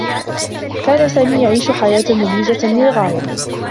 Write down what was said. كان سامي يعيش حياة مبهجة للغاية.